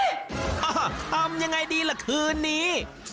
ทำยังไงดีล่ะคืนนี้